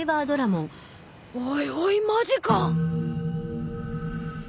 おいおいマジか！